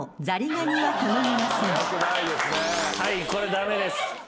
はいこれ駄目です。